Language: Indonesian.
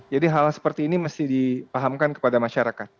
jadi hal seperti ini mesti dipahamkan kepada masyarakat